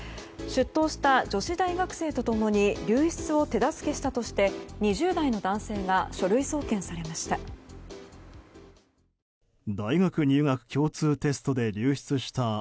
出頭した女子大学生と共に流出を手助けしたとして２０代の男性が書類送検されました。